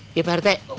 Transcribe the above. iya pak rt